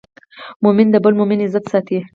مؤمن د بل مؤمن عزت ساتي.